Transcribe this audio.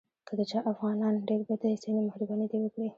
که د چا افغانان ډېر بد ایسي نو مهرباني دې وکړي.